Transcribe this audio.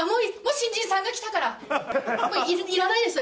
新人さんが来たからもういらないです！